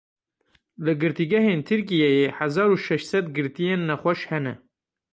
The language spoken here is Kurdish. Li girtîgehên Tirkiyeyê hezar û şeş sed girtiyên nexweş hene.